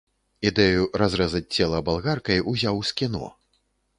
Ідэю разрэзаць цела балгаркай узяў з кіно.